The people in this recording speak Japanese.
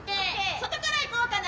外からいこうかな。